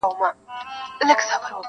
تږي شپې مي پی کړې د سبا په سرابونو کي-